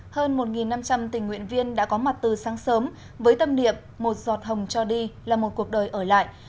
hơn một năm trăm linh tình nguyện viên đã có mặt từ sáng sớm với tâm niệm một giọt hồng cho đi là một cuộc đời ở lại